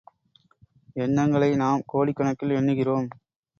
எண்ணங்களை நாம் கோடிக்கணக்கில் எண்ணுகிறோம்.